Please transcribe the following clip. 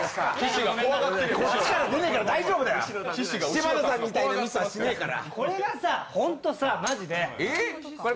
柴田さんみたいなミスはしねぇから。